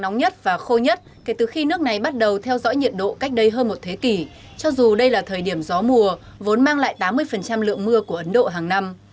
nắng nóng nhất và khô nhất kể từ khi nước này bắt đầu theo dõi nhiệt độ cách đây hơn một thế kỷ cho dù đây là thời điểm gió mùa vốn mang lại tám mươi lượng mưa của ấn độ hàng năm